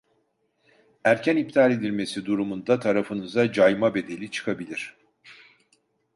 Erken iptal edilmesi durumunda tarafınıza cayma bedeli çıkabilir